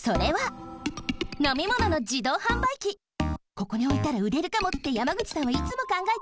「ここにおいたらうれるかも」って山口さんはいつもかんがえています。